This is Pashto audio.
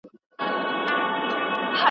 که تور چای وڅښو نو خوب نه راځي.